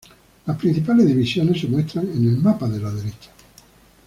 Las principales divisiones se muestran en el mapa de la derecha.